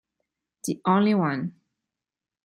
The Only One